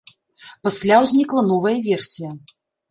Пасля ўзнікла новая версія.